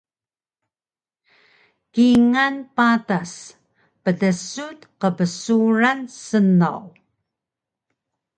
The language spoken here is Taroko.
Kingal patas pdsun qbsuran snaw